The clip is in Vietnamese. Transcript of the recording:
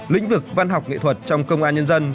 lĩnh vực văn học nghệ thuật trong công an nhân dân